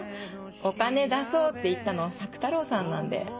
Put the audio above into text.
お金出そうって言ったの朔太郎さんなんで。